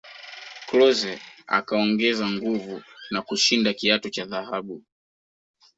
klose akaongeza nguvu na kushinda kiatu cha dhahabu